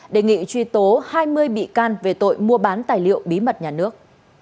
đề nghị truy tố hai mươi bị can về tội mua bán tài liệu bí mật nhà nước